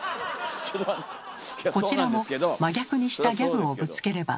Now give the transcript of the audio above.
こちらも真逆にしたギャグをぶつければ。